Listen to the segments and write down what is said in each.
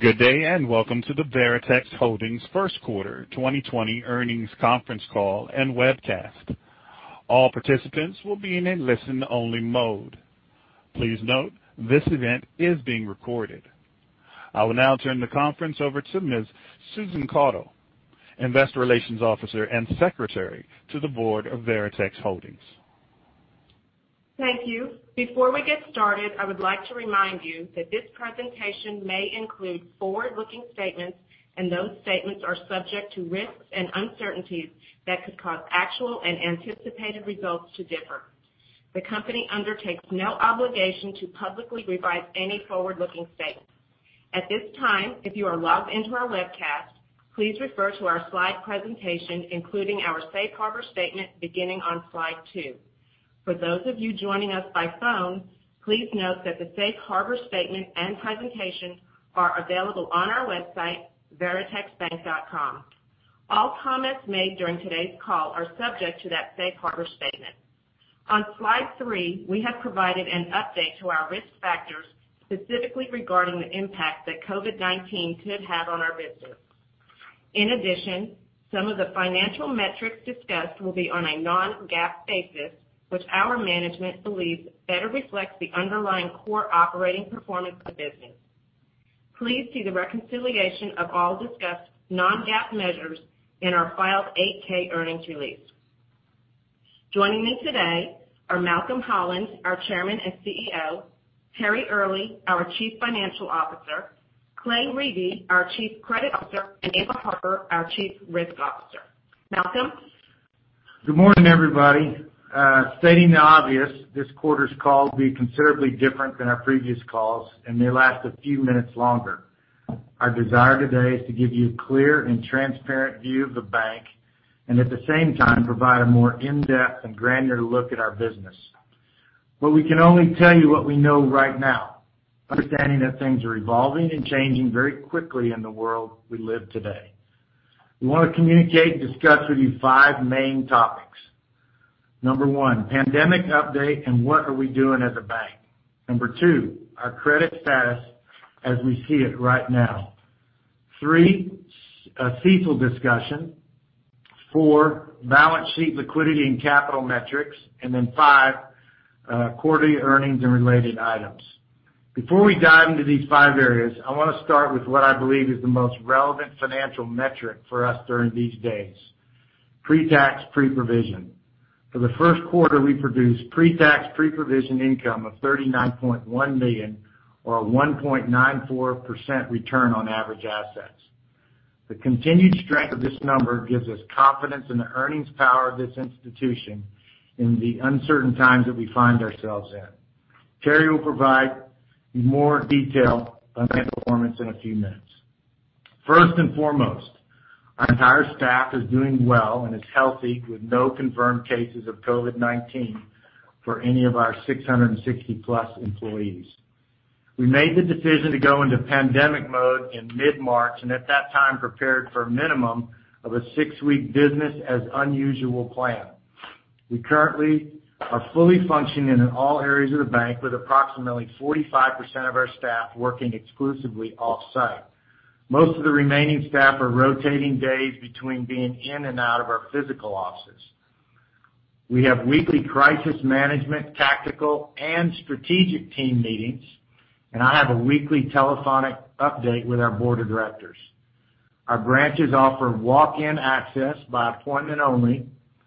Good day, and welcome to the Veritex Holdings first quarter 2020 earnings conference call and webcast. All participants will be in a listen-only mode. Please note, this event is being recorded. I will now turn the conference over to Ms. Susan Caudle, Investor Relations Officer and Secretary to the Board of Veritex Holdings. Thank you. Before we get started, I would like to remind you that this presentation may include forward-looking statements, and those statements are subject to risks and uncertainties that could cause actual and anticipated results to differ. The company undertakes no obligation to publicly revise any forward-looking statements. At this time, if you are logged into our webcast, please refer to our slide presentation, including our safe harbor statement, beginning on slide two. For those of you joining us by phone, please note that the safe harbor statement and presentation are available on our website, veritexbank.com. All comments made during today's call are subject to that safe harbor statement. On slide three, we have provided an update to our risk factors, specifically regarding the impact that COVID-19 could have on our business. In addition, some of the financial metrics discussed will be on a non-GAAP basis, which our management believes better reflects the underlying core operating performance of the business. Please see the reconciliation of all discussed non-GAAP measures in our filed 8-K earnings release. Joining me today are Malcolm Holland, our chairman and CEO, Terry Earley, our chief financial officer, Clay Riebe, our chief credit officer, and Angela Harper, our chief risk officer. Malcolm? Good morning, everybody. Stating the obvious, this quarter's call will be considerably different than our previous calls and may last a few minutes longer. Our desire today is to give you a clear and transparent view of the bank, and at the same time, provide a more in-depth and granular look at our business. We can only tell you what we know right now, understanding that things are evolving and changing very quickly in the world we live today. We want to communicate and discuss with you five main topics. Number one, pandemic update and what are we doing as a bank. Number two, our credit status as we see it right now. Three, CECL discussion. Four, balance sheet liquidity and capital metrics. Five, quarterly earnings and related items. Before we dive into these five areas, I want to start with what I believe is the most relevant financial metric for us during these days, pre-tax pre-provision. For the first quarter, we produced pre-tax pre-provision income of $39.1 million, or a 1.94% return on average assets. The continued strength of this number gives us confidence in the earnings power of this institution in the uncertain times that we find ourselves in. Terry will provide more detail on that performance in a few minutes. First and foremost, our entire staff is doing well and is healthy, with no confirmed cases of COVID-19 for any of our 660-plus employees. We made the decision to go into pandemic mode in mid-March, and at that time, prepared for a minimum of a six-week business as unusual plan. We currently are fully functioning in all areas of the bank with approximately 45% of our staff working exclusively off-site. Most of the remaining staff are rotating days between being in and out of our physical offices. We have weekly crisis management, tactical, and strategic team meetings, and I have a weekly telephonic update with our board of directors. Our branches offer walk-in access by appointment only,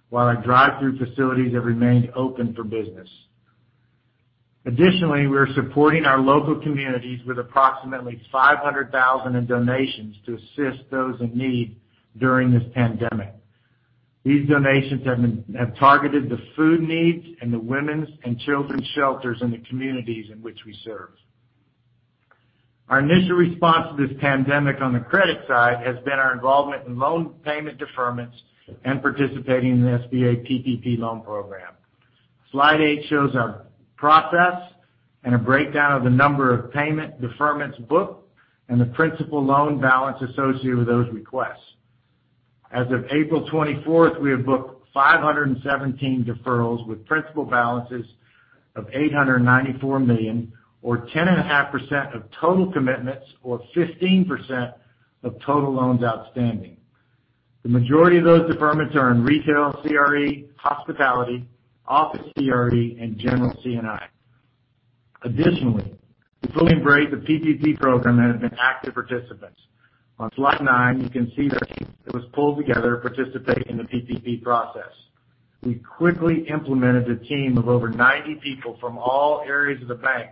while our drive-thru facilities have remained open for business. Additionally, we're supporting our local communities with approximately $500,000 in donations to assist those in need during this pandemic. These donations have targeted the food needs and the women's and children's shelters in the communities in which we serve. Our initial response to this pandemic on the credit side has been our involvement in loan payment deferments and participating in the SBA PPP loan program. Slide eight shows our process and a breakdown of the number of payment deferments booked and the principal loan balance associated with those requests. As of April 24th, we have booked 517 deferrals with principal balances of $894 million, or 10.5% of total commitments or 15% of total loans outstanding. The majority of those deferments are in retail, CRE, hospitality, office CRE, and general C&I. Additionally, we fully embraced the PPP program and have been active participants. On slide nine, you can see the team that was pulled together to participate in the PPP process. We quickly implemented a team of over 90 people from all areas of the bank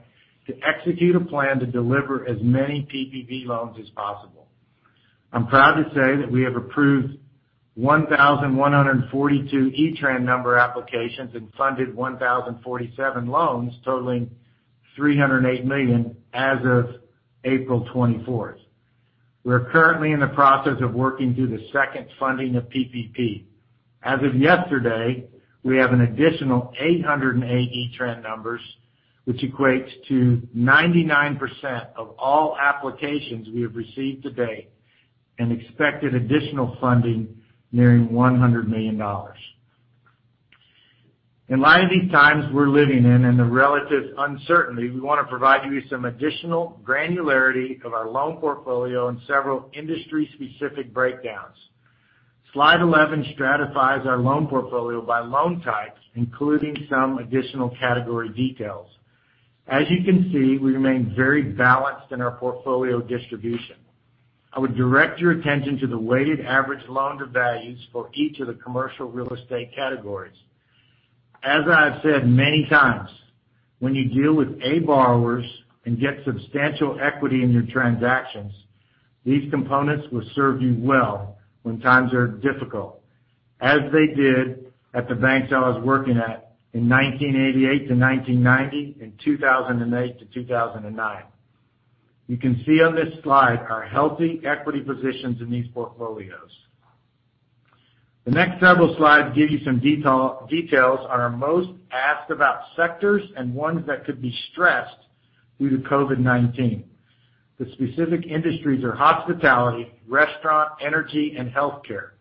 to execute a plan to deliver as many PPP loans as possible. I'm proud to say that we have approved 1,142 E-Tran number applications and funded 1,047 loans totaling $308 million as of April 24th. We are currently in the process of working through the second funding of PPP. As of yesterday, we have an additional 808 E-Tran numbers, which equates to 99% of all applications we have received to date, and expected additional funding nearing $100 million. In light of these times we're living in and the relative uncertainty, we want to provide you with some additional granularity of our loan portfolio and several industry-specific breakdowns. Slide 11 stratifies our loan portfolio by loan types, including some additional category details. As you can see, we remain very balanced in our portfolio distribution. I would direct your attention to the weighted average loan to values for each of the commercial real estate categories. As I have said many times, when you deal with A borrowers and get substantial equity in your transactions, these components will serve you well when times are difficult, as they did at the banks I was working at in 1988-1990 and 2008-2009. You can see on this slide our healthy equity positions in these portfolios. The next several slides give you some details on our most asked about sectors and ones that could be stressed due to COVID-19. The specific industries are hospitality, restaurant, energy and healthcare,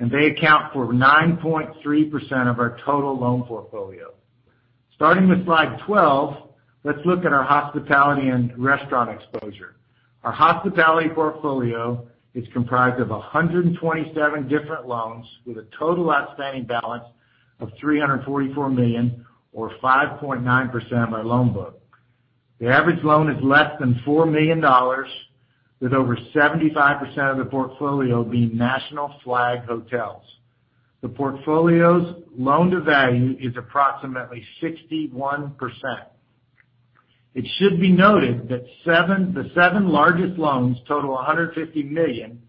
and they account for 9.3% of our total loan portfolio. Starting with slide 12, let's look at our hospitality and restaurant exposure. Our hospitality portfolio is comprised of 127 different loans with a total outstanding balance of $344 million or 5.9% of our loan book. The average loan is less than $4 million with over 75% of the portfolio being national flag hotels. The portfolio's loan to value is approximately 61%. It should be noted that the seven largest loans total $150 million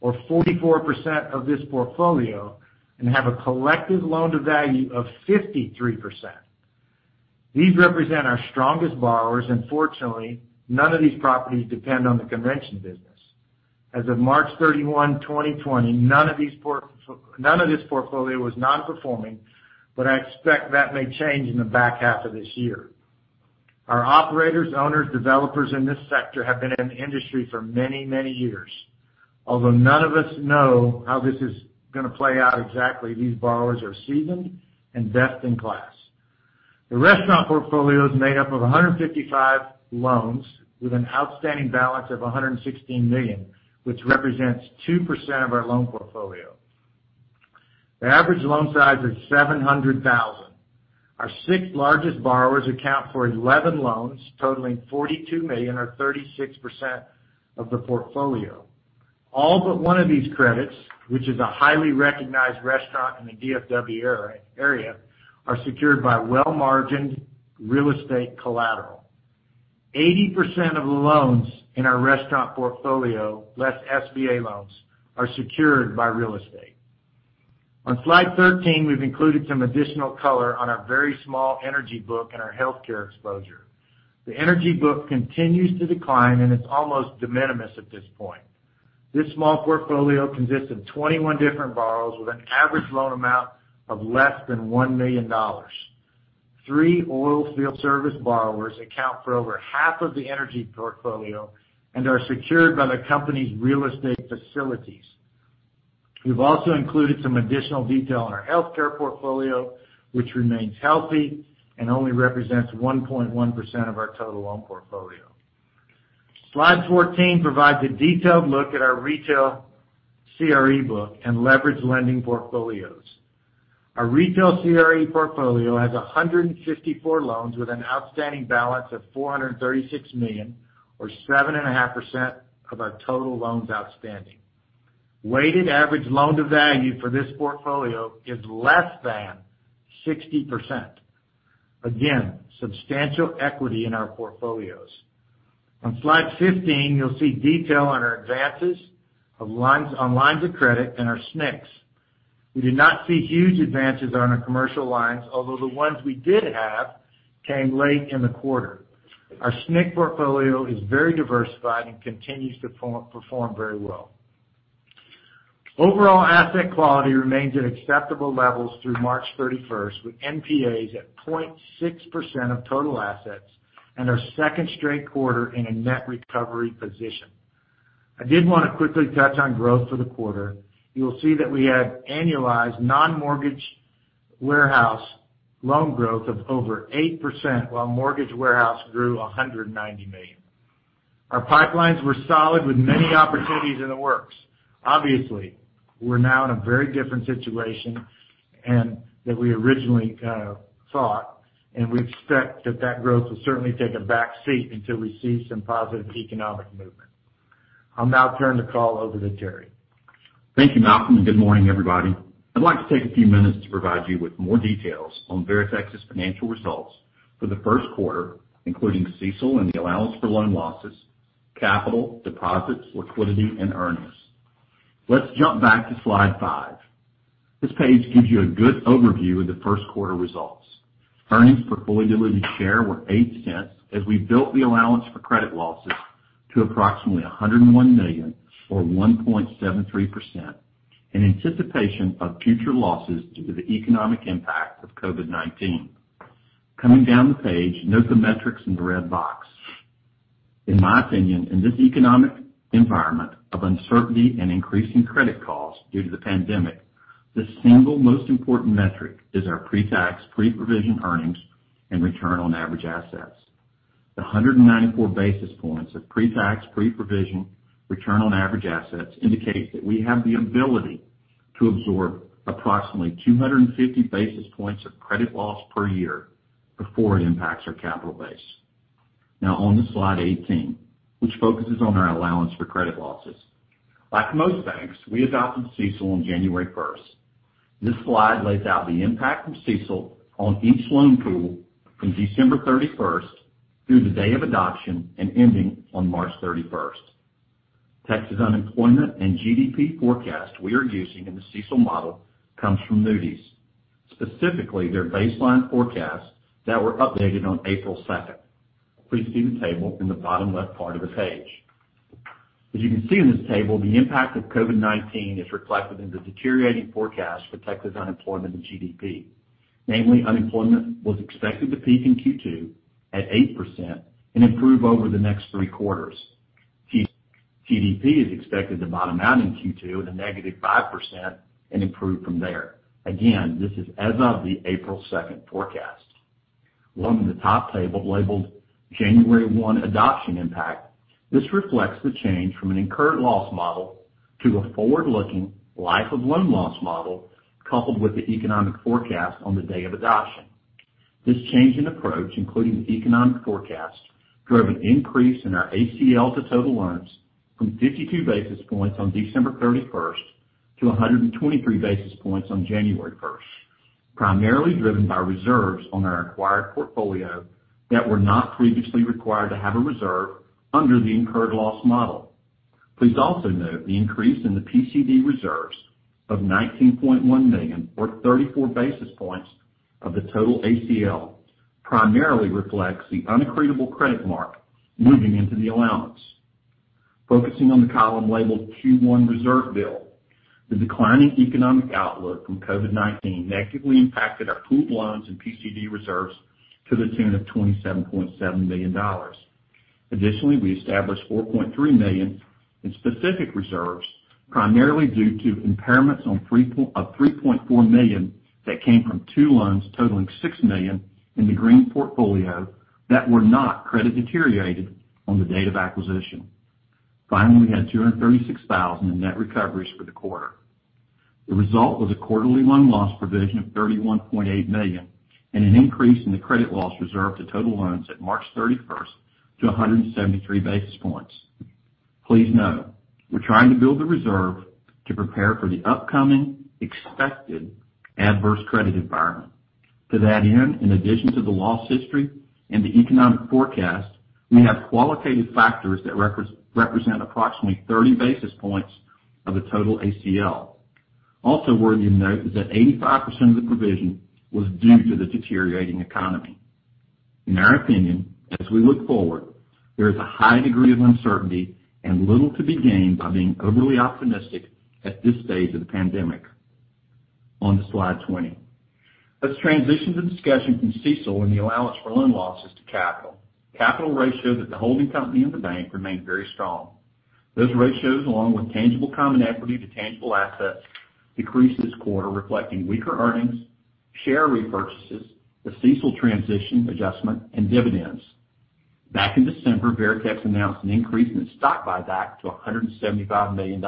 or 44% of this portfolio and have a collective loan to value of 53%. These represent our strongest borrowers. Fortunately, none of these properties depend on the convention business. As of March 31st, 2020, none of this portfolio was non-performing. I expect that may change in the back half of this year. Our operators, owners, developers in this sector have been in the industry for many, many years. Although none of us know how this is going to play out exactly, these borrowers are seasoned and best in class. The restaurant portfolio is made up of 155 loans with an outstanding balance of $116 million, which represents 2% of our loan portfolio. The average loan size is $700,000. Our six largest borrowers account for 11 loans totaling $42 million or 36% of the portfolio. All but one of these credits, which is a highly recognized restaurant in the DFW area, are secured by well-margined real estate collateral. 80% of loans in our restaurant portfolio, less SBA loans, are secured by real estate. On slide 13, we've included some additional color on our very small energy book and our healthcare exposure. The energy book continues to decline, and it's almost de minimis at this point. This small portfolio consists of 21 different borrowers with an average loan amount of less than $1 million. Three oil field service borrowers account for over half of the energy portfolio and are secured by the company's real estate facilities. We've also included some additional detail on our healthcare portfolio, which remains healthy and only represents 1.1% of our total loan portfolio. Slide 14 provides a detailed look at our retail CRE book and leverage lending portfolios. Our retail CRE portfolio has 154 loans with an outstanding balance of $436 million or 7.5% of our total loans outstanding. Weighted average loan to value for this portfolio is less than 60%. Again, substantial equity in our portfolios. On Slide 15, you'll see detail on our advances on lines of credit and our SNCs. We did not see huge advances on our commercial lines, although the ones we did have came late in the quarter. Our SNC portfolio is very diversified and continues to perform very well. Overall asset quality remains at acceptable levels through March 31st, with NPAs at 0.6% of total assets and our second straight quarter in a net recovery position. I did want to quickly touch on growth for the quarter. You'll see that we had annualized non-mortgage warehouse loan growth of over 8%, while mortgage warehouse grew $190 million. Our pipelines were solid with many opportunities in the works. Obviously, we're now in a very different situation than we originally thought, and we expect that that growth will certainly take a back seat until we see some positive economic movement. I'll now turn the call over to Terry. Thank you, Malcolm. Good morning, everybody. I'd like to take a few minutes to provide you with more details on Veritex's financial results for the first quarter, including CECL and the allowance for loan losses, capital, deposits, liquidity, and earnings. Let's jump back to slide five. This page gives you a good overview of the first quarter results. Earnings per fully diluted share were $0.08 as we built the allowance for credit losses to approximately $101 million or 1.73%, in anticipation of future losses due to the economic impact of COVID-19. Coming down the page, note the metrics in the red box. In my opinion, in this economic environment of uncertainty and increasing credit costs due to the pandemic, the single most important metric is our pre-tax, pre-provision earnings and return on average assets. The 194 basis points of pre-tax pre-provision return on average assets indicates that we have the ability to absorb approximately 250 basis points of credit loss per year before it impacts our capital base. On to slide 18, which focuses on our allowance for credit losses. Like most banks, we adopted CECL on January 1st. This slide lays out the impact from CECL on each loan pool from December 31st through the day of adoption and ending on March 31st. Texas unemployment and GDP forecast we are using in the CECL model comes from Moody's, specifically their baseline forecasts that were updated on April 2nd. Please see the table in the bottom left part of the page. As you can see in this table, the impact of COVID-19 is reflected in the deteriorating forecast for Texas unemployment and GDP. Namely, unemployment was expected to peak in Q2 at 8% and improve over the next three quarters. GDP is expected to bottom out in Q2 at -5% and improve from there. Again, this is as of the April 2nd forecast. Along the top table labeled, "January 1 adoption impact," this reflects the change from an incurred loss model to a forward-looking life of loan loss model, coupled with the economic forecast on the day of adoption. This change in approach, including the economic forecast, drove an increase in our ACL to total loans from 52 basis points on December 31st to 123 basis points on January 1st, primarily driven by reserves on our acquired portfolio that were not previously required to have a reserve under the incurred loss model. Please also note the increase in the PCD reserves of $19.1 million, or 34 basis points of the total ACL, primarily reflects the unaccretable credit mark moving into the allowance. Focusing on the column labeled "Q1 reserve build," the declining economic outlook from COVID-19 negatively impacted our pooled loans and PCD reserves to the tune of $27.7 million. Additionally, we established $4.3 million in specific reserves, primarily due to impairments of $3.4 million that came from two loans totaling $6 million in the Green portfolio that were not credit deteriorated on the date of acquisition. Finally, we had $236,000 in net recoveries for the quarter. The result was a quarterly loan loss provision of $31.8 million and an increase in the credit loss reserve to total loans at March 31st to 173 basis points. Please note, we're trying to build the reserve to prepare for the upcoming expected adverse credit environment. To that end, in addition to the loss history and the economic forecast, we have qualitative factors that represent approximately 30 basis points of the total ACL. Also worthy of note is that 85% of the provision was due to the deteriorating economy. In our opinion, as we look forward, there is a high degree of uncertainty and little to be gained by being overly optimistic at this stage of the pandemic. On to slide 20. Let's transition the discussion from CECL and the allowance for loan losses to capital. Capital ratios at the holding company and the bank remain very strong. Those ratios, along with tangible common equity to tangible assets, decreased this quarter, reflecting weaker earnings, share repurchases, the CECL transition adjustment, and dividends. Back in December, Veritex announced an increase in its stock buyback to $175 million.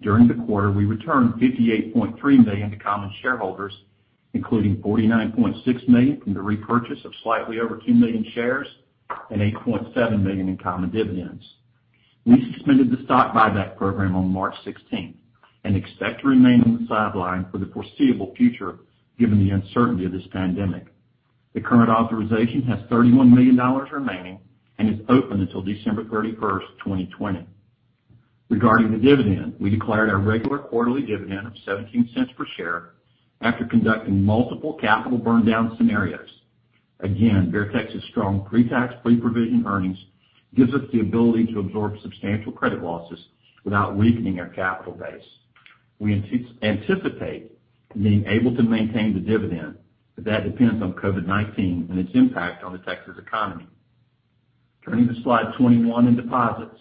During the quarter, we returned $58.3 million to common shareholders, including $49.6 million from the repurchase of slightly over 2 million shares and $8.7 million in common dividends. We suspended the stock buyback program on March 16th and expect to remain on the sideline for the foreseeable future, given the uncertainty of this pandemic. The current authorization has $31 million remaining and is open until December 31st, 2020. Regarding the dividend, we declared our regular quarterly dividend of $0.17 per share after conducting multiple capital burn-down scenarios. Again, Veritex's strong pre-tax, pre-provision earnings gives us the ability to absorb substantial credit losses without weakening our capital base. We anticipate being able to maintain the dividend, but that depends on COVID-19 and its impact on the Texas economy. Turning to slide 21 in deposits.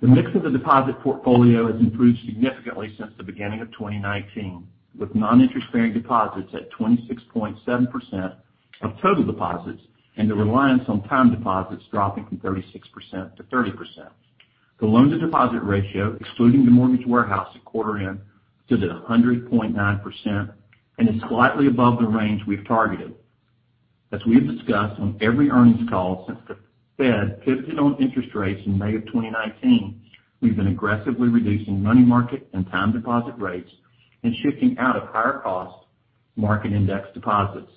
The mix of the deposit portfolio has improved significantly since the beginning of 2019, with non-interest-bearing deposits at 26.7% of total deposits and the reliance on time deposits dropping from 36% to 30%. The loan-to-deposit ratio, excluding the mortgage warehouse at quarter end, stood at 100.9% and is slightly above the range we've targeted. As we have discussed on every earnings call since the Fed pivoted on interest rates in May of 2019, we've been aggressively reducing money market and time deposit rates and shifting out of higher cost market index deposits.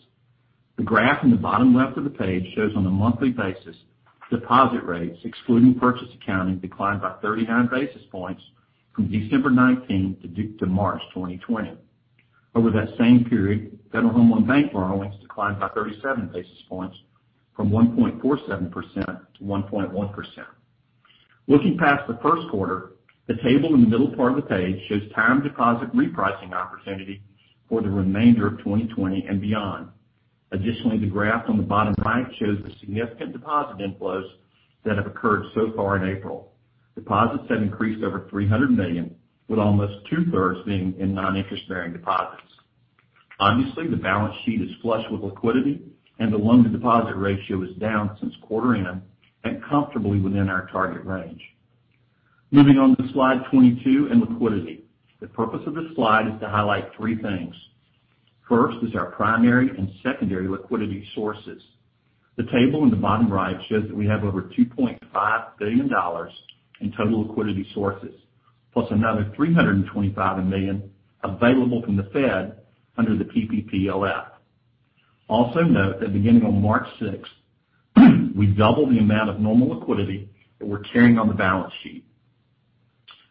The graph in the bottom left of the page shows on a monthly basis deposit rates, excluding purchase accounting, declined by 39 basis points from December 2019 to March 2020. Over that same period, Federal Home Loan Bank borrowings declined by 37 basis points from 1.47%-1.1%. Looking past the first quarter, the table in the middle part of the page shows time deposit repricing opportunity for the remainder of 2020 and beyond. Additionally, the graph on the bottom right shows the significant deposit inflows that have occurred so far in April. Deposits have increased over $300 million, with almost two-thirds being in non-interest bearing deposits. Obviously, the balance sheet is flush with liquidity, and the loan-to-deposit ratio is down since quarter end and comfortably within our target range. Moving on to slide 22 and liquidity. The purpose of this slide is to highlight three things. First is our primary and secondary liquidity sources. The table in the bottom right shows that we have over $2.5 billion in total liquidity sources, plus another $325 million available from the Fed under the PPPLF. Note that beginning on March 6th, we doubled the amount of normal liquidity that we're carrying on the balance sheet.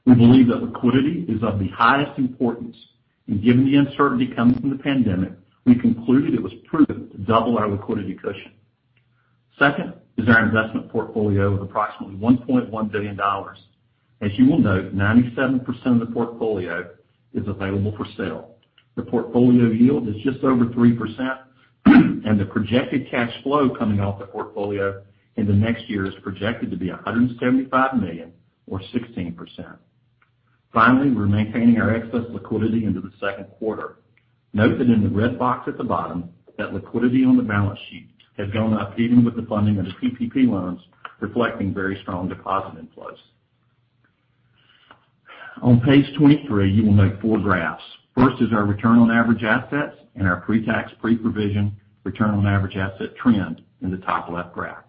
We believe that liquidity is of the highest importance, given the uncertainty coming from the pandemic, we concluded it was prudent to double our liquidity cushion. Second is our investment portfolio of approximately $1.1 billion. You will note, 97% of the portfolio is available for sale. The portfolio yield is just over 3%, the projected cash flow coming off the portfolio in the next year is projected to be $175 million or 16%. Finally, we're maintaining our excess liquidity into the second quarter. Note that in the red box at the bottom, that liquidity on the balance sheet has gone up even with the funding of the PPP loans, reflecting very strong deposit inflows. On page 23, you will note four graphs. First is our return on average assets and our pre-tax pre-provision return on average asset trend in the top left graph.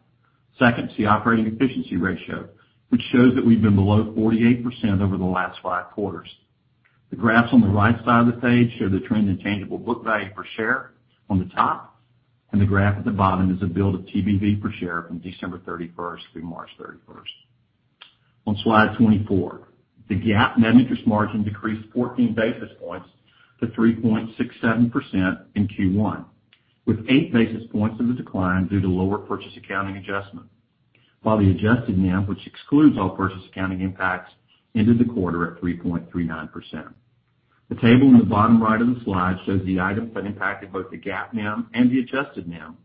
Second is the operating efficiency ratio, which shows that we've been below 48% over the last five quarters. The graphs on the right side of the page show the trend in tangible book value per share on the top, and the graph at the bottom is a build of TBV per share from December 31st through March 31st. On slide 24, the GAAP net interest margin decreased 14 basis points to 3.67% in Q1, with eight basis points of the decline due to lower purchase accounting adjustment, while the adjusted NIM, which excludes all purchase accounting impacts, ended the quarter at 3.39%. The table in the bottom right of the slide shows the items that impacted both the GAAP NIM and the adjusted NIM.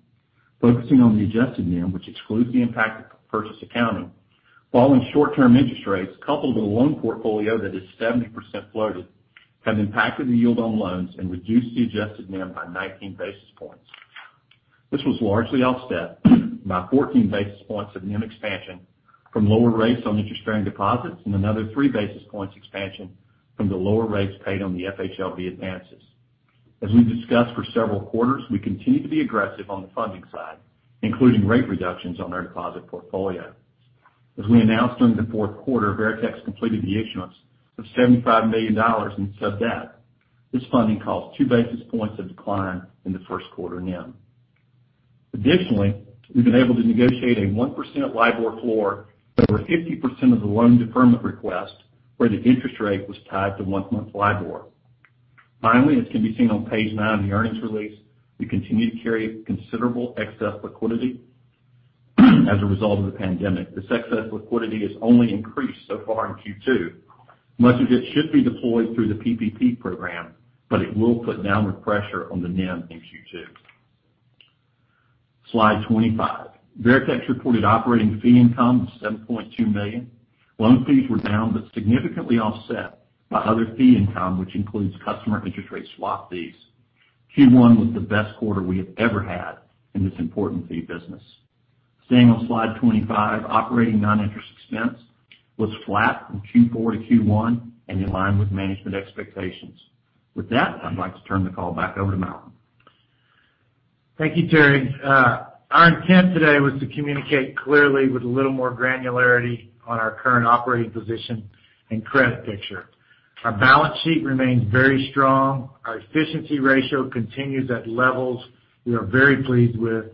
Focusing on the adjusted NIM, which excludes the impact of purchase accounting, falling short-term interest rates, coupled with a loan portfolio that is 70% floated, have impacted the yield on loans and reduced the adjusted NIM by 19 basis points. This was largely offset by 14 basis points of NIM expansion from lower rates on interest-bearing deposits and another three basis points expansion from the lower rates paid on the FHLB advances. As we've discussed for several quarters, we continue to be aggressive on the funding side, including rate reductions on our deposit portfolio. As we announced during the fourth quarter, Veritex completed the issuance of $75 million in sub debt. This funding caused two basis points of decline in the first quarter NIM. Additionally, we've been able to negotiate a 1% LIBOR floor over 50% of the loan deferment request, where the interest rate was tied to one-month LIBOR. Finally, as can be seen on page nine of the earnings release, we continue to carry considerable excess liquidity as a result of the pandemic. This excess liquidity has only increased so far in Q2. Much of it should be deployed through the PPP program, but it will put downward pressure on the NIM in Q2. Slide 25. Veritex reported operating fee income of $7.2 million. Loan fees were down, significantly offset by other fee income, which includes customer interest rate swap fees. Q1 was the best quarter we have ever had in this important fee business. Staying on slide 25, operating non-interest expense was flat from Q4 to Q1 and in line with management expectations. With that, I'd like to turn the call back over to Malcolm. Thank you, Terry. Our intent today was to communicate clearly with a little more granularity on our current operating position and credit picture. Our balance sheet remains very strong, our efficiency ratio continues at levels we are very pleased with,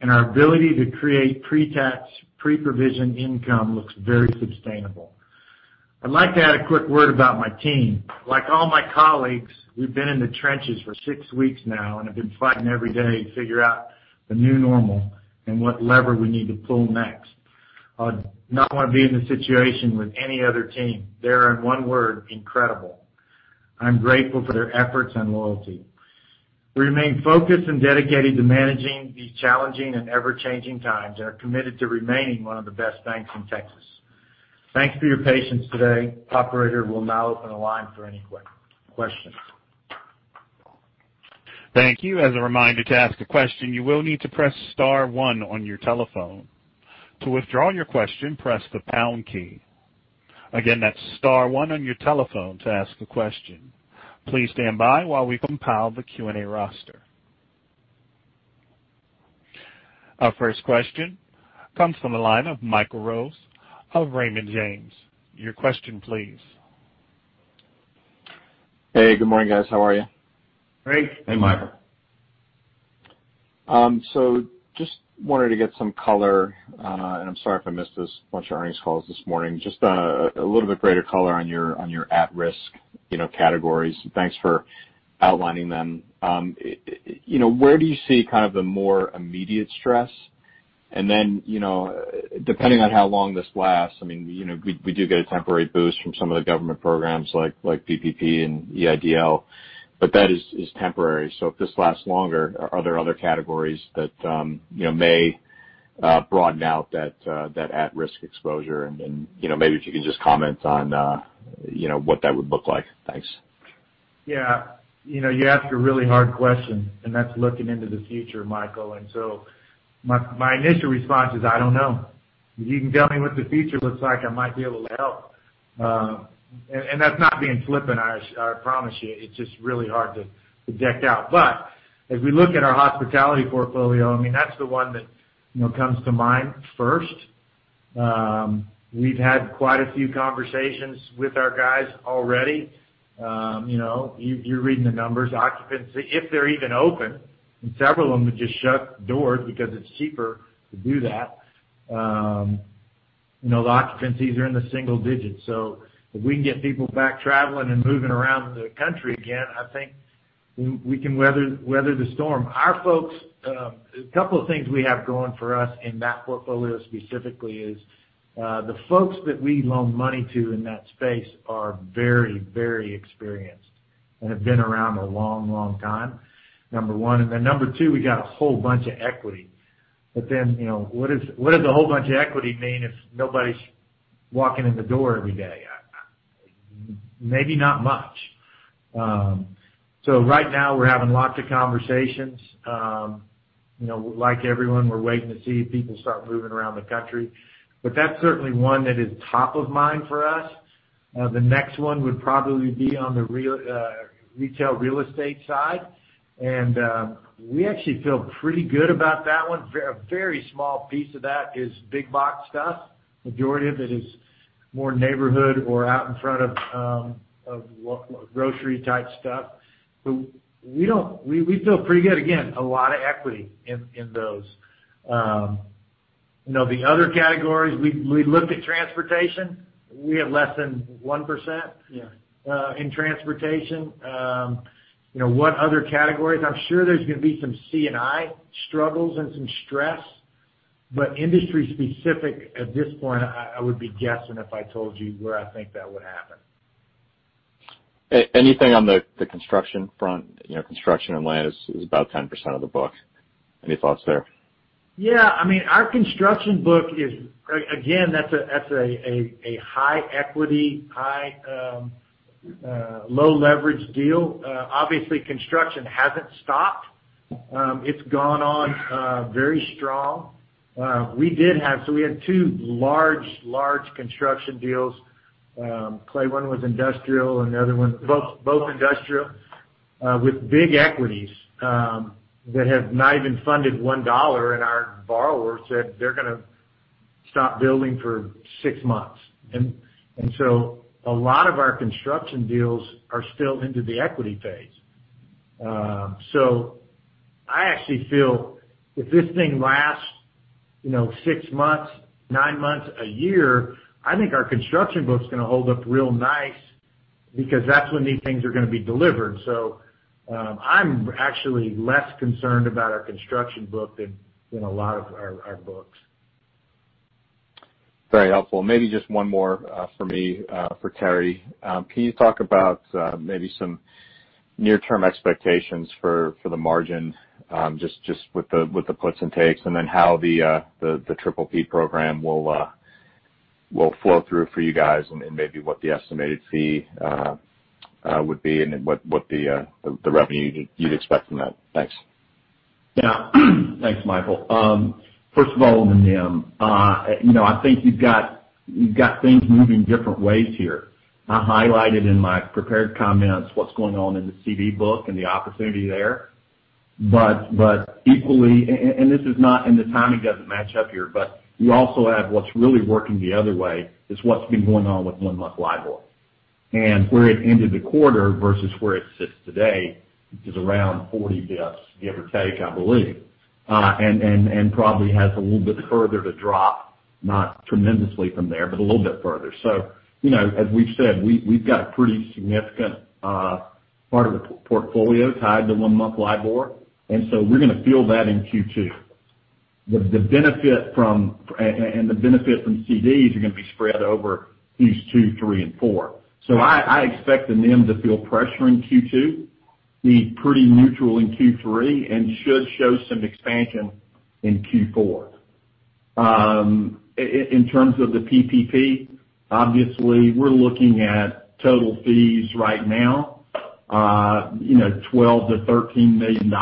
and our ability to create pre-tax pre-provision income looks very sustainable. I'd like to add a quick word about my team. Like all my colleagues, we've been in the trenches for six weeks now and have been fighting every day to figure out the new normal and what lever we need to pull next. I would not want to be in this situation with any other team. They are, in one word, incredible, and I'm grateful for their efforts and loyalty. We remain focused and dedicated to managing these challenging and ever-changing times and are committed to remaining one of the best banks in Texas. Thanks for your patience today. Operator, we'll now open the line for any questions. Thank you. As a reminder, to ask a question, you will need to press star one on your telephone. To withdraw your question, press the pound key. That's star one on your telephone to ask a question. Please stand by while we compile the Q&A roster. Our first question comes from the line of Michael Rose of Raymond James. Your question, please. Hey, good morning, guys. How are you? Great. Hey, Michael. Just wanted to get some color, and I'm sorry if I missed this, a bunch of earnings calls this morning. Just a little bit greater color on your at-risk categories. Thanks for outlining them. Where do you see the more immediate stress? Then, depending on how long this lasts, we do get a temporary boost from some of the government programs like PPP and EIDL, but that is temporary. If this lasts longer, are there other categories that may broaden out that at-risk exposure? Maybe if you can just comment on what that would look like. Thanks. Yeah. You asked a really hard question, and that's looking into the future, Michael, and so my initial response is, I don't know. If you can tell me what the future looks like, I might be able to help. That's not being flippant, I promise you. It's just really hard to figure out. As we look at our hospitality portfolio, that's the one that comes to mind first. We've had quite a few conversations with our guys already. You're reading the numbers. Occupancy, if they're even open, and several of them have just shut the doors because it's cheaper to do that. The occupancies are in the single digits. If we can get people back traveling and moving around the country again, I think we can weather the storm. A couple of things we have going for us in that portfolio specifically is, the folks that we loan money to in that space are very experienced and have been around a long time, number one. Then number two, we got a whole bunch of equity. What does a whole bunch of equity mean if nobody's walking in the door every day? Maybe not much. Right now, we're having lots of conversations. Like everyone, we're waiting to see if people start moving around the country. That's certainly one that is top of mind for us. The next one would probably be on the retail real estate side. We actually feel pretty good about that one. A very small piece of that is big box stuff. Majority of it is more neighborhood or out in front of grocery-type stuff. We feel pretty good. Again, a lot of equity in those. The other categories, we looked at transportation. We have less than 1%- Yeah. In transportation. What other categories? I'm sure there's going to be some C&I struggles and some stress, but industry specific, at this point, I would be guessing if I told you where I think that would happen. Anything on the construction front? Construction and land is about 10% of the book. Any thoughts there? Yeah. Our construction book is, again, that's a high equity, low leverage deal. Obviously, construction hasn't stopped. It's gone on very strong. We had two large construction deals, Clay. One was industrial and the other one, both industrial, with big equities, that have not even funded $1, and our borrowers said they're going to stop building for six months. A lot of our construction deals are still into the equity phase. I actually feel if this thing lasts six months, nine months, a year, I think our construction book's going to hold up real nice because that's when these things are going to be delivered. I'm actually less concerned about our construction book than a lot of our books. Very helpful. Maybe just one more from me for Terry. Can you talk about maybe some near-term expectations for the margin, just with the puts and takes, and then how the PPP program will flow through for you guys and maybe what the estimated fee would be and then what the revenue you'd expect from that? Thanks. Yeah. Thanks, Michael. First of all, the NIM. I think you've got things moving different ways here. I highlighted in my prepared comments what's going on in the CD book and the opportunity there. Equally, and the timing doesn't match up here, but you also have what's really working the other way is what's been going on with one-month LIBOR. Where it ended the quarter versus where it sits today is around 40 basis points, give or take, I believe. Probably has a little bit further to drop, not tremendously from there, but a little bit further. As we've said, we've got a pretty significant part of the portfolio tied to one-month LIBOR, and so we're going to feel that in Q2. The benefit from CDs are going to be spread over Qs two, three, and four. I expect the NIM to feel pressure in Q2, be pretty neutral in Q3, and should show some expansion in Q4. In terms of the PPP, obviously, we're looking at total fees right now, $12 million-$13 million.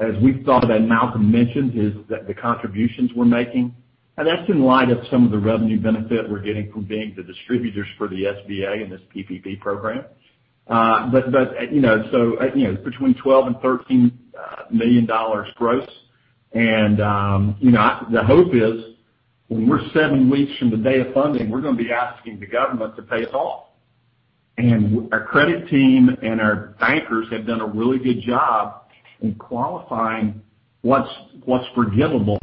As we've thought of and Malcolm mentioned, is the contributions we're making. That's in light of some of the revenue benefit we're getting from being the distributors for the SBA in this PPP program. Between $12 million and $13 million gross. The hope is, when we're seven weeks from the day of funding, we're going to be asking the government to pay us off. Our credit team and our bankers have done a really good job in qualifying what's forgivable.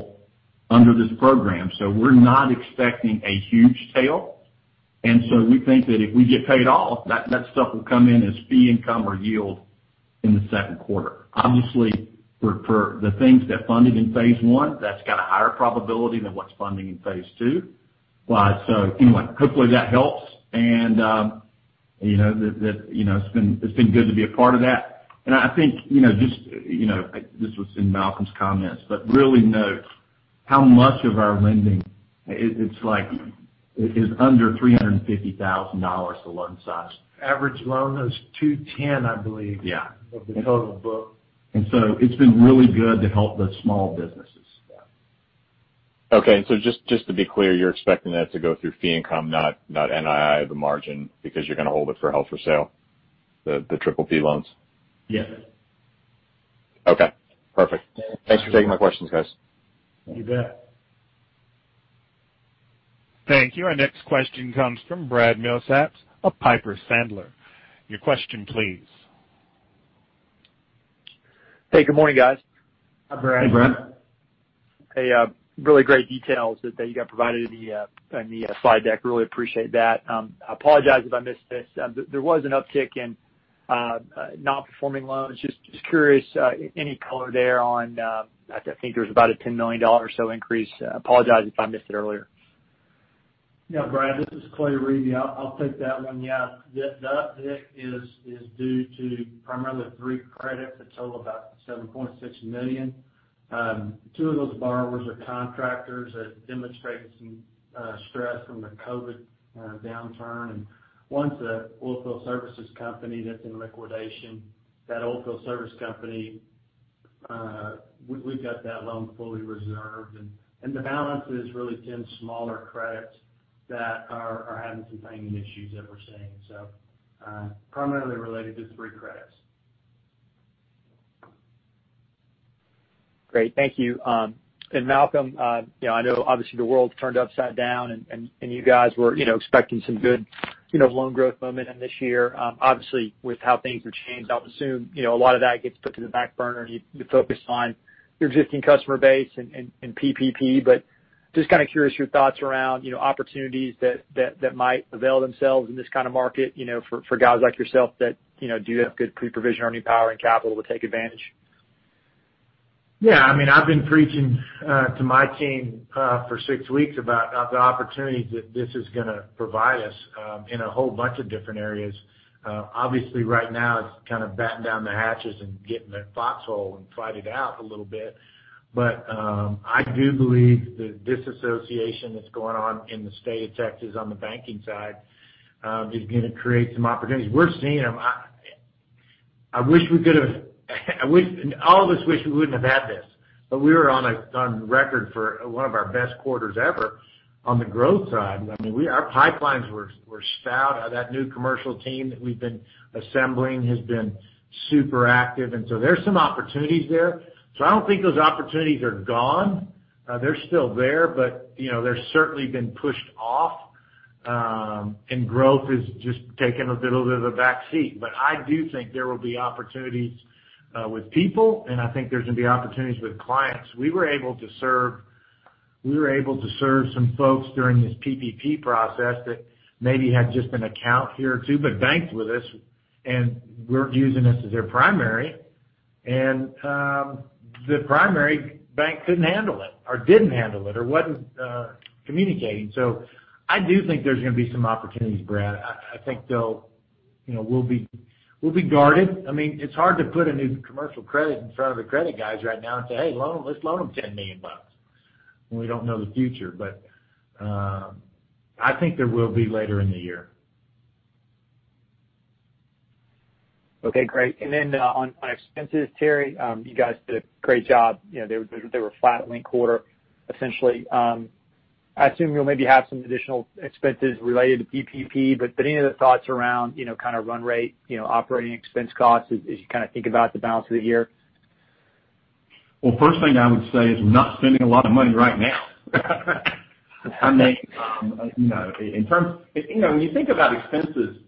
Under this program. We're not expecting a huge tail. We think that if we get paid off, that stuff will come in as fee income or yield in the second quarter. Obviously, for the things that funded in phase one, that's got a higher probability than what's funding in phase two. Hopefully that helps and, it's been good to be a part of that. I think, this was in Malcolm's comments, but really note how much of our lending is under $350,000 loan size. Average loan is $210,000, I believe Yeah of the total book. It's been really good to help the small businesses. Yeah. Okay. Just to be clear, you're expecting that to go through fee income, not NII, the margin, because you're going to hold it for held for sale, the triple P loans? Yes. Okay, perfect. Thanks for taking my questions, guys. You bet. Thank you. Our next question comes from Brad Milsaps of Piper Sandler. Your question, please. Hey, good morning, guys. Hey, Brad. Hey, really great details that you guys provided in the slide deck. Really appreciate that. I apologize if I missed this. There was an uptick in non-performing loans. Just curious, any color there on, I think there was about a $10 million or so increase. Apologize if I missed it earlier. Brad, this is Clay Riebe. I'll take that one. The uptick is due to primarily three credits that total about $7.6 million. Two of those borrowers are contractors that demonstrated some stress from the COVID-19 downturn and one's a oilfield services company that's in liquidation. That oilfield service company, we've got that loan fully reserved, and the balance is really 10 smaller credits that are having some payment issues that we're seeing. Primarily related to three credits. Great. Thank you. Malcolm, I know obviously the world's turned upside down, and you guys were expecting some good loan growth momentum this year. Obviously, with how things have changed, I'll assume a lot of that gets put to the back burner and you focus on your existing customer base and PPP. Just kind of curious your thoughts around opportunities that might avail themselves in this kind of market, for guys like yourself that do have good pre-provision earning power and capital to take advantage. Yeah, I've been preaching to my team for six weeks about the opportunities that this is going to provide us in a whole bunch of different areas. Obviously, right now it's kind of batten down the hatches and get in the foxhole and fight it out a little bit. I do believe that this association that's going on in the state of Texas on the banking side, is going to create some opportunities. We're seeing them. All of us wish we wouldn't have had this, but we were on record for one of our best quarters ever on the growth side. Our pipelines were stout. That new commercial team that we've been assembling has been super active, and so there's some opportunities there. I don't think those opportunities are gone. They're still there, but they've certainly been pushed off. Growth has just taken a little bit of a back seat. I do think there will be opportunities with people, and I think there's going to be opportunities with clients. We were able to serve some folks during this PPP process that maybe had just an account here or two, but banked with us, and weren't using us as their primary. The primary bank couldn't handle it or didn't handle it or wasn't communicating. I do think there's going to be some opportunities, Brad. We'll be guarded. It's hard to put a new commercial credit in front of the credit guys right now and say, "Hey, let's loan them $10 million," when we don't know the future. I think there will be later in the year. Okay, great. On expenses, Terry, you guys did a great job. They were flat linked quarter, essentially. I assume you'll maybe have some additional expenses related to PPP, any other thoughts around, kind of run rate, operating expense costs as you kind of think about the balance of the year? Well, first thing I would say is we're not spending a lot of money right now. When you think about expenses, such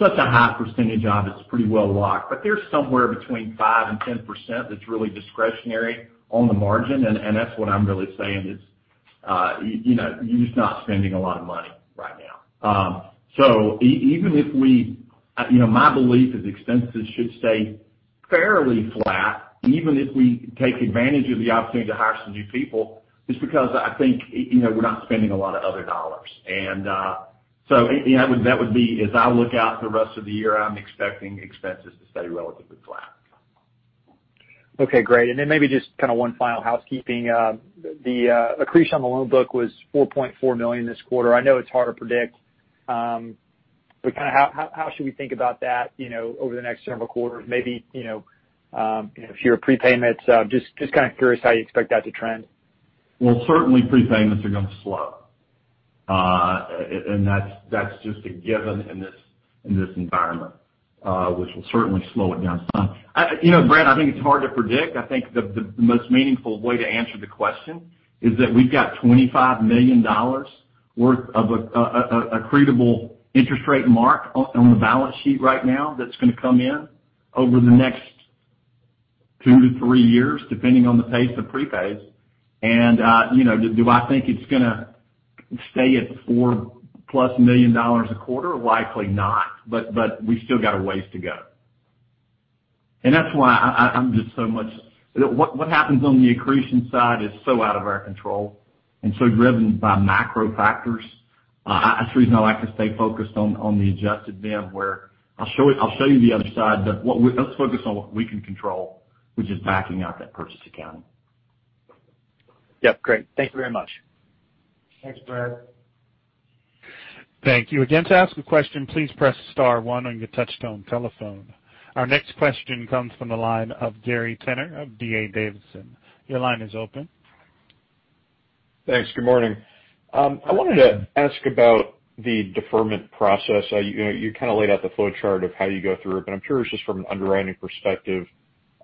a high percentage of it's pretty well locked. There's somewhere between 5% and 10% that's really discretionary on the margin, and that's what I'm really saying is, you're just not spending a lot of money right now. My belief is expenses should stay fairly flat, even if we take advantage of the opportunity to hire some new people, just because I think we're not spending a lot of other dollars. That would be as I look out the rest of the year, I'm expecting expenses to stay relatively flat. Okay, great. Then maybe just one final housekeeping. The accretion on the loan book was $4.4 million this quarter. I know it's hard to predict, how should we think about that over the next several quarters, maybe share of prepayments. Just kind of curious how you expect that to trend. Well, certainly prepayments are going to slow. That's just a given in this environment, which will certainly slow it down some. Brad, I think it's hard to predict. I think the most meaningful way to answer the question is that we've got $25 million worth of accretable interest rate mark on the balance sheet right now that's going to come in over the next two to three years, depending on the pace of prepays. Do I think it's going to stay at $4+ million a quarter? Likely not. We still got a ways to go. That's why I'm just so much What happens on the accretion side is so out of our control and so driven by macro factors. That's the reason I like to stay focused on the adjusted NIM, where I'll show you the other side. Let's focus on what we can control, which is backing out that purchase accounting. Yep. Great. Thank you very much. Thanks, Brad. Thank you. Again, to ask a question, please press star one on your touchtone telephone. Our next question comes from the line of Gary Tenner of D.A. Davidson. Your line is open. Thanks. Good morning. I wanted to ask about the deferment process. You kind of laid out the flowchart of how you go through it, but I'm curious just from an underwriting perspective,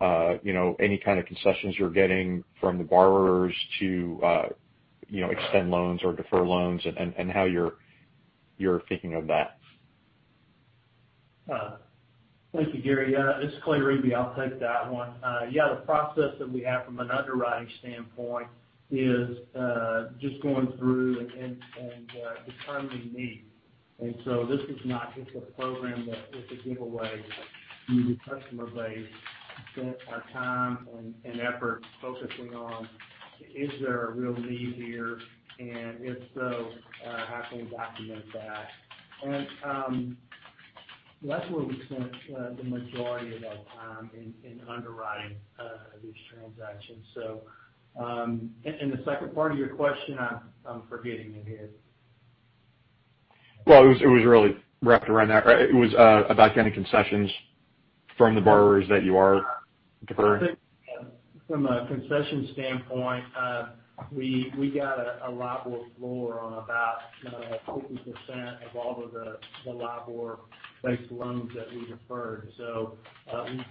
any kind of concessions you're getting from the borrowers to extend loans or defer loans and how you're thinking of that. Thank you, Gary. It's Clay Riebe. I'll take that one. Yeah, the process that we have from an underwriting standpoint is just going through and determining need. This is not just a program that is a giveaway to the customer base. We spent our time and effort focusing on, is there a real need here? If so, how can we document that? That's where we spent the majority of our time in underwriting these transactions. The second part of your question, I'm forgetting it is. Well, it was really wrapped around that. It was about getting concessions from the borrowers that you are deferring. From a concession standpoint, we got a LIBOR floor on about 50% of all of the LIBOR-based loans that we deferred.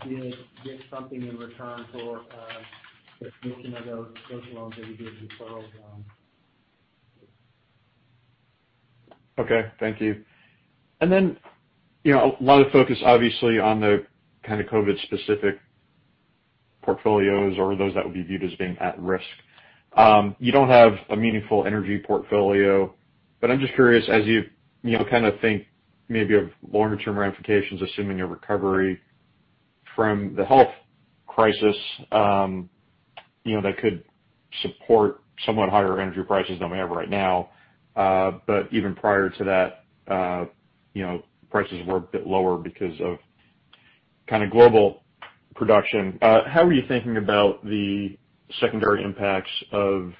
We did get something in return for the portion of those loans that we did defer. Okay. Thank you. A lot of focus, obviously, on the kind of COVID-specific portfolios or those that would be viewed as being at risk. You don't have a meaningful energy portfolio, but I'm just curious, as you kind of think maybe of longer term ramifications, assuming a recovery from the health crisis, that could support somewhat higher energy prices than we have right now. Even prior to that, prices were a bit lower because of kind of global production. How are you thinking about the secondary impacts of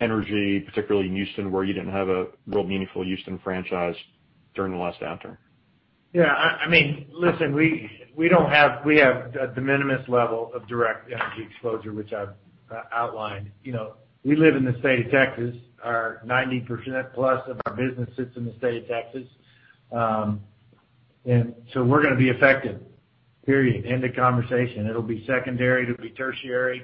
energy, particularly in Houston, where you didn't have a real meaningful Houston franchise during the last downturn? Yeah. Listen, we have a de minimis level of direct energy exposure, which I've outlined. We live in the state of Texas. 90%+ of our business is in the state of Texas. We're going to be affected, period. End of conversation. It'll be secondary, it'll be tertiary.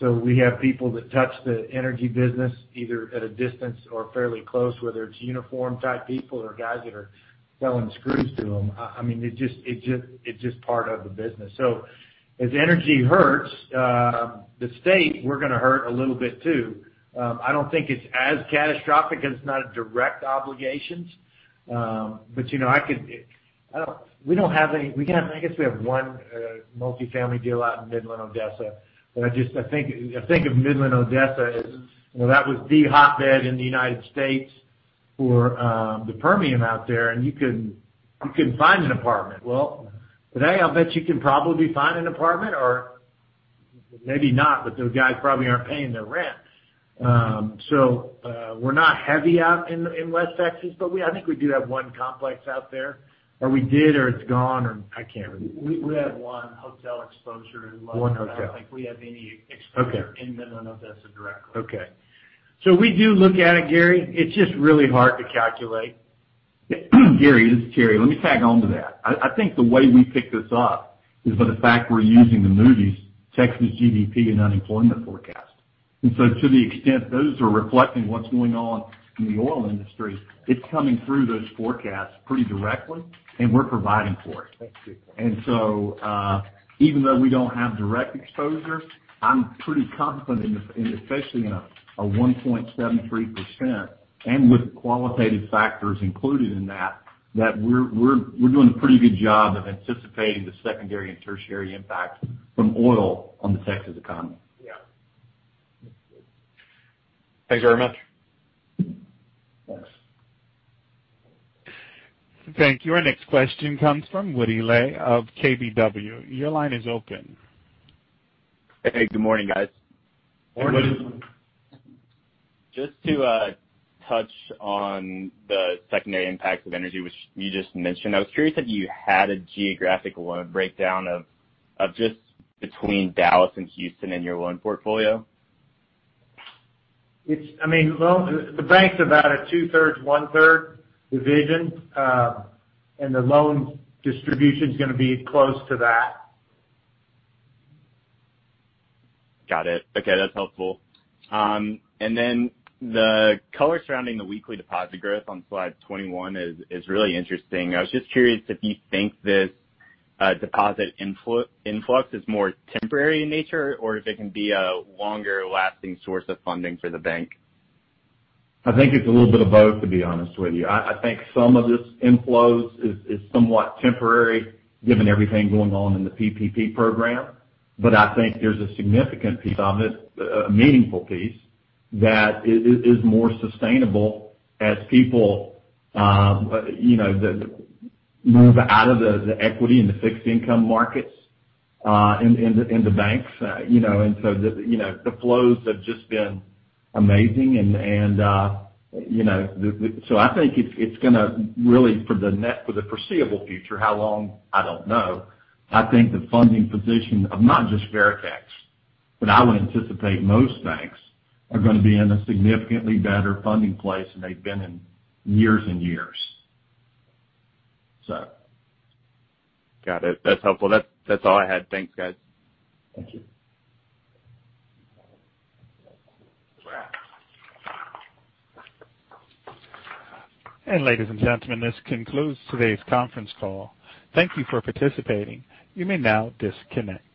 We have people that touch the energy business, either at a distance or fairly close, whether it's uniform-type people or guys that are selling screws to them. It's just part of the business. As energy hurts the state, we're going to hurt a little bit, too. I don't think it's as catastrophic because it's not a direct obligation. I guess we have one multifamily deal out in Midland, Odessa. I think of Midland, Odessa as that was the hotbed in the U.S. for the Permian out there. You couldn't find an apartment. Well, today, I'll bet you can probably find an apartment, or maybe not, but those guys probably aren't paying their rent. We're not heavy out in West Texas, but I think we do have one complex out there. We did, or it's gone, or I can't remember. We have one hotel exposure in West Texas. One hotel. I don't think we have any exposure- Okay. In Midland-Odessa directly. Okay. We do look at it, Gary. It's just really hard to calculate. Gary, this is Terry. Let me tag onto that. I think the way we pick this up is by the fact we're using the Moody's Texas GDP and unemployment forecast. To the extent those are reflecting what's going on in the oil industry, it's coming through those forecasts pretty directly and we're providing for it. Even though we don't have direct exposure, I'm pretty confident in, especially in a 1.73%, and with qualitative factors included in that we're doing a pretty good job of anticipating the secondary and tertiary impact from oil on the Texas economy. Yeah. Thanks very much. Thanks. Thank you. Our next question comes from Woody Lay of KBW. Your line is open. Hey, good morning, guys. Morning. Just to touch on the secondary impacts of energy, which you just mentioned, I was curious if you had a geographic breakdown of just between Dallas and Houston in your loan portfolio? The bank's about a two-thirds, one-third division, and the loan distribution's going to be close to that. Got it. Okay. That's helpful. The color surrounding the weekly deposit growth on slide 21 is really interesting. I was just curious if you think this deposit influx is more temporary in nature, or if it can be a longer-lasting source of funding for the bank? I think it's a little bit of both, to be honest with you. I think some of this inflows is somewhat temporary given everything going on in the PPP program. I think there's a significant piece of it, a meaningful piece, that is more sustainable as people move out of the equity and the fixed income markets into banks. The flows have just been amazing. I think it's going to really, for the foreseeable future, how long? I don't know. I think the funding position of not just Veritex, but I would anticipate most banks are going to be in a significantly better funding place than they've been in years and years, so. Got it. That's helpful. That's all I had. Thanks, guys. Thank you. Ladies and gentlemen, this concludes today's conference call. Thank you for participating. You may now disconnect.